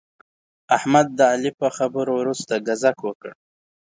احمد د علي په خبرو ورسته ګذک وکړ.